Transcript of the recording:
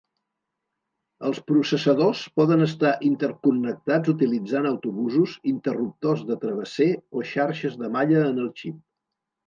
Els processadors poden estar interconnectats utilitzant autobusos, interruptors de travesser o xarxes de malla en el xip.